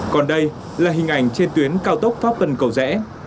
còn đây là hình ảnh trên tuyến cao tốc pháp vân cầu rẽ